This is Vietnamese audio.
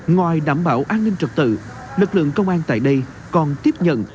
ngoài đảm bảo an ninh trật tự lực lượng công an tại đây còn tiếp nhận